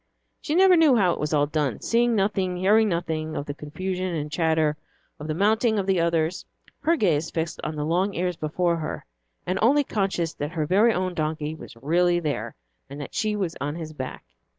She never knew how it was all done, seeing nothing, hearing nothing of the confusion and chatter, of the mounting of the others, her gaze fixed on the long ears before her, and only conscious that her very own donkey was really there, and that she was on his back.